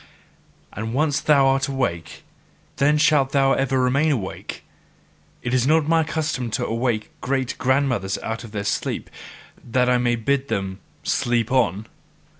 And once thou art awake, then shalt thou ever remain awake. It is not MY custom to awake great grandmothers out of their sleep that I may bid them sleep on!